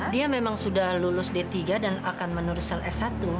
dia memang sudah lulus d tiga dan akan meneruskan s satu